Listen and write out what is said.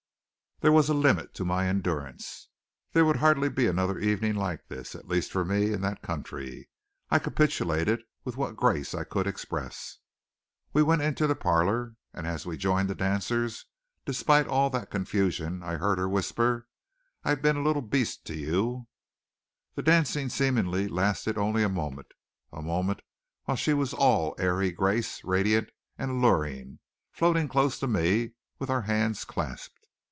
There was a limit to my endurance. There would hardly be another evening like this, at least, for me, in that country. I capitulated with what grace I could express. We went into the parlor, and as we joined the dancers, despite all that confusion I heard her whisper: "I've been a little beast to you." That dance seemingly lasted only a moment a moment while she was all airy grace, radiant, and alluring, floating close to me, with our hands clasped.